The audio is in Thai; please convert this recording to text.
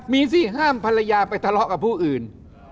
มีสิห้ามภรรยาไปทะเลาะกับผู้อื่น